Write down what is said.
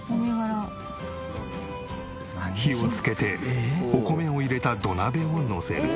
火をつけてお米を入れた土鍋をのせる。